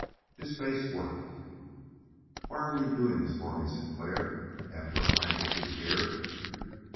His face worked. "Why are you doing this for me, Sinclair after I landed you here?"